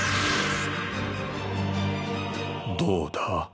どうだ？